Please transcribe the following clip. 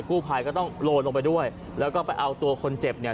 กู้ภัยก็ต้องโรยลงไปด้วยแล้วก็ไปเอาตัวคนเจ็บเนี่ย